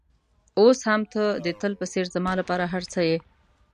اوس هم ته د تل په څېر زما لپاره هر څه یې.